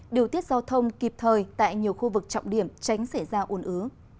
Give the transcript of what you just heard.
điều tiết giao thông kịp thời tại nhiều khu vực trọng điểm tránh xảy ra ồn ứ